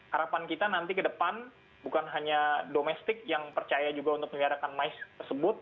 harapan kita nanti ke depan bukan hanya domestik yang percaya juga untuk meliharakan mais tersebut